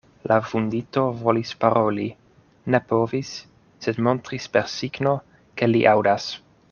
La vundito volis paroli, ne povis, sed montris per signo, ke li aŭdas.